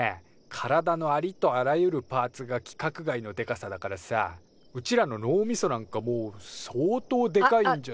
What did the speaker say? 体のありとあらゆるパーツが規格外のでかさだからさうちらの脳みそなんかもう相当でかいんじゃ。